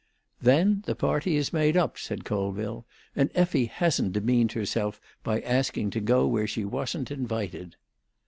"Then the party is made up," said Colville, "and Effie hasn't demeaned herself by asking to go where she wasn't invited."